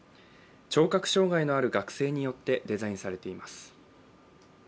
聴覚障害のある学生によってデザインされています。